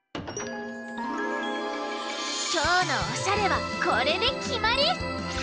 きょうのおしゃれはこれできまり！